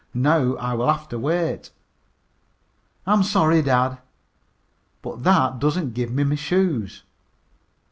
Now I will have to wait." "I'm sorry, dad." "But that doesn't give me my shoes."